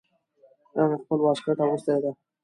هغه خپل واسکټ اغوستی ده